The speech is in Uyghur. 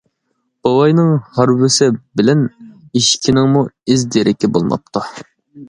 بوۋاينىڭ ھارۋىسى بىلەن ئىشىكىنىڭمۇ ئىز دېرىكى بولماپتۇ.